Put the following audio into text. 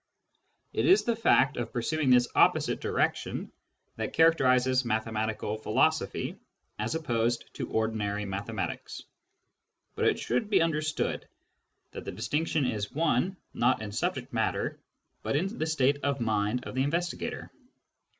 It is the fact of pursuing this opposite direction that characterises mathematical philosophy as opposed to ordinary mathematics. But it should be understood that the distinction is one, not in the subject matter, but in the state of mind of the investigator